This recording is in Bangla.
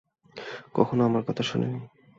কখনো আমার কথা শোনেনি।